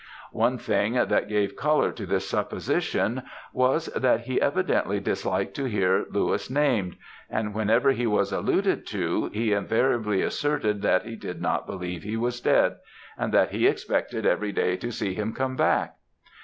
"One thing, that gave colour to this supposition was, that he evidently disliked to hear Louis named; and whenever he was alluded to, he invariably asserted that he did not believe he was dead, and that he expected every day to see him come back.